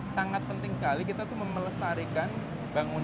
sangat penting sekali kita tuh memelestarikan bangunan